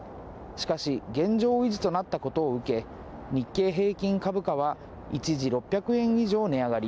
しかし、現状維持となったことを受け、日経平均株価は一時６００円以上値上がり。